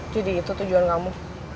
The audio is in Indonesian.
jadi itu tujuan kamu